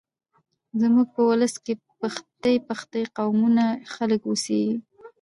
زموږ په ولس کې پښتۍ پښتۍ قومونه خلک اوسېږيږ